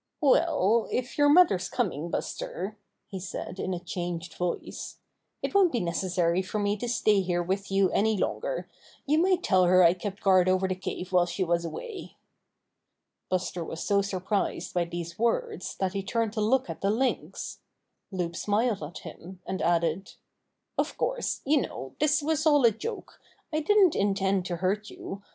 "Well, if your mother's coming, Buster," he said in a changed voice, "it won't be neces sary for me to stay here with you any longer. You might tell her I kept guard over the cave while she was away." Buster was so surprised by these words that he turned to look at the Lynx. Loup smiled at him, and added: "Of course, you know this was all a joke. I didn't intend to hurt Buster and Loup 19 you.